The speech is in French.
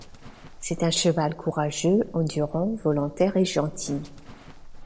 C'est un cheval courageux, endurant, volontaire et gentil.